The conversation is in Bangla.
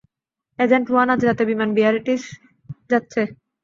এজেন্ট ওয়ান আজ রাতে বিমানে বিয়ারিটজ যাচ্ছে।